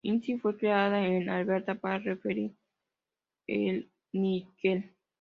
Inc., fue creada en Alberta para refinar el níquel.